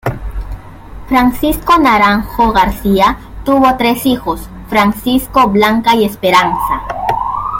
Francisco Naranjo Garcia tuvo tres hijos: Francisco, Blanca y Esperanza.